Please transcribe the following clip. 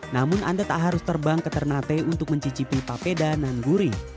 namun anda tak harus terbang ke ternate untuk mencicipi papeda nan gurih